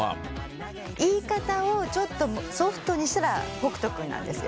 言い方をちょっとソフトにしたら北斗君なんですよ。